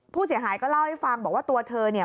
ผู้เสียหายก็เล่าให้ฟังบอกว่าตัวเธอเนี่ย